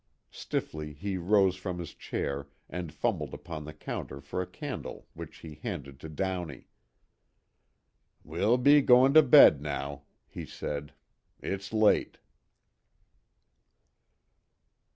Stiffly he rose from his chair and fumbled upon the counter for a candle which he handed to Downey. "We'll be goin' to bed, now," he said, "It's late."